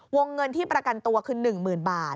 วงเงินที่ประกันตัวคือ๑๐๐๐บาท